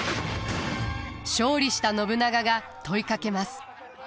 勝利した信長が問いかけます。